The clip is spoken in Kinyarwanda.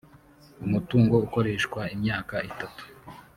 umutungo ukoreshwa imyaka itatu .